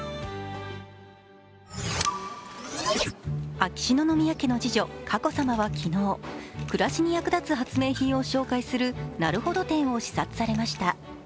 秋篠宮家の次女・佳子さまは昨日暮らしに役立つ発明品を紹介するなるほど展を視察されました。